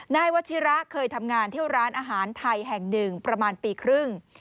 นายวัชิระเคยทำงานที่ร้านอาหารไทยแห่งหนึ่งประมาณปีครึ่ง